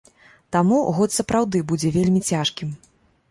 Таму год сапраўды будзе вельмі цяжкім.